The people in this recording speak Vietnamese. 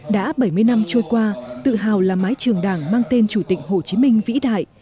đã bảy mươi năm trôi qua tự hào là mái trường đảng mang tên chủ tịch hồ chí minh vĩ đại